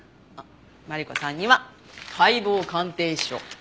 マリコさんには解剖鑑定書。